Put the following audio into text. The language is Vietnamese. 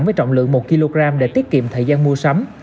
với trọng lượng một kg để tiết kiệm thời gian mua sắm